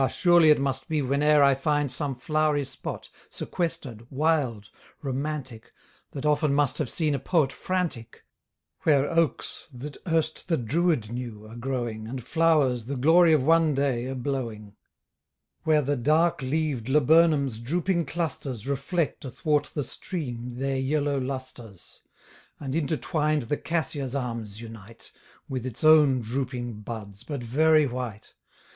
surely it must be whene'er I find Some flowery spot, sequester'd, wild, romantic, That often must have seen a poet frantic; Where oaks, that erst the Druid knew, are growing, And flowers, the glory of one day, are blowing; Where the dark leav'd laburnum's drooping clusters Reflect athwart the stream their yellow lustres, And intertwined the cassia's arms unite, With its own drooping buds, but very white.